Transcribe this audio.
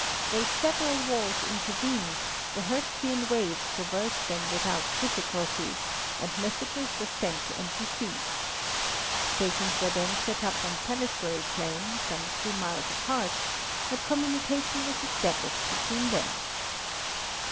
Though several walls intervened, the Hertzian waves traversed them without difficulty, and messages were sent and received. Stations were then set up on Salisbury Plain, some two miles apart, and communication was established between them.